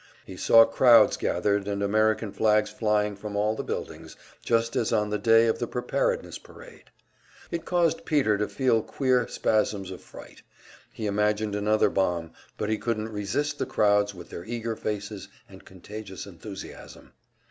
He saw crowds gathered, and American flags flying from all the buildings, just as on the day of the Preparedness parade. It caused Peter to feet queer spasms of fright; he imagined another bomb, but he couldn't resist the crowds with their eager faces and contagious enthusiasm.